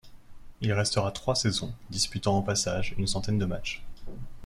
Il y restera trois saisons, disputant au passage une centaine de matchs.